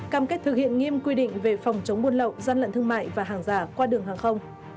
cam kết thực hiện nghiêm quy định về phòng chống buôn lậu gian lận thương mại và hàng giả qua đường hàng không